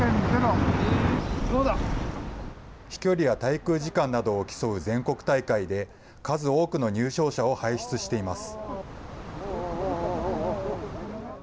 飛距離や滞空時間などを競う全国大会で、数多くの入賞者を輩出しています。